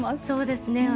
そうですね。